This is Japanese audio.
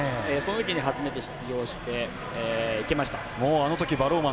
そのときに初めて出場しました。